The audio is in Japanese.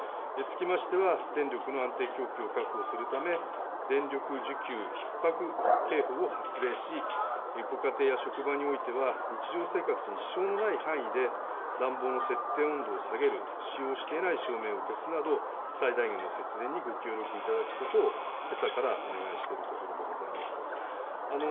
つきましては電力の安定供給を確保するため電力需給ひっ迫警報を発令しご家庭や職場においては日常生活に支障のない範囲で暖房の設定温度を下げる、使用していない照明を消すなど最大限の節電にご協力いただくことをけさからお願いしているところでございます。